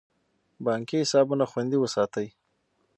بانکي حسابونه خوندي وساتئ.